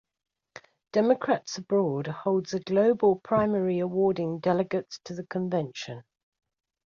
Democrats Abroad holds a global primary awarding delegates to the convention.